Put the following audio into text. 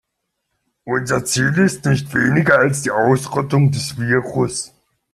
Unser Ziel ist nicht weniger als die Ausrottung des Virus.